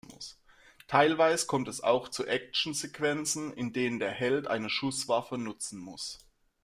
Teilweise kommt es auch zu Actionsequenzen, in denen der Held eine Schusswaffe nutzen muss.